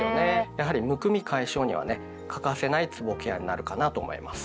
やはりむくみ解消にはね欠かせないつぼケアになるかなと思います。